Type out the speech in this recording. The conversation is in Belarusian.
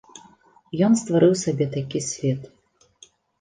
Ён стварыў сабе такі свет.